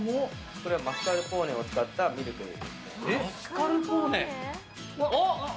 これはマスカルポーネを使ったミルクです。